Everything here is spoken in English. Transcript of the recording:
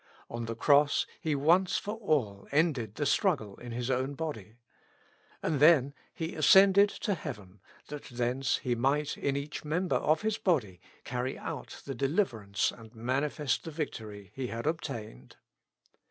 On the cross He once for all ended the struggle in His own body. And then He ascended to heaven, that thence He might in each member of His body carry out the deliverance and manifest the victory He had obtained.